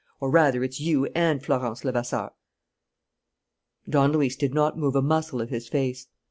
Or, rather, it's you and Florence Levasseur." Don Luis did not move a muscle of his face.